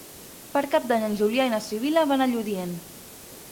Per Cap d'Any en Julià i na Sibil·la van a Lludient.